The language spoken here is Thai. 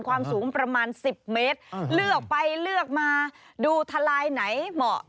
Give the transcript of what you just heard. ความสูงประมาณ๑๐เมตรเลือกไปเลือกมาดูทลายไหนเหมาะ